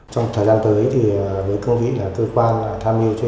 trong thời gian tới với cơ nghĩa là cơ quan tham nhu